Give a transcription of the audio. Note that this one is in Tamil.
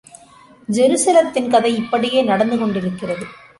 ஜெருசலத்தின் கதை இப்படியே நடந்து கொண்டிருக்கிறது.